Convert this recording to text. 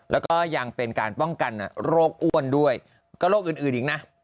แล้วก็ยังเป็นการป้องกันโรคอ้วนด้วยก็โรคอื่นอีกนะ